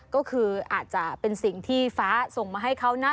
ก็คืออาจจะเป็นสิ่งที่ฟ้าส่งมาให้เขานะ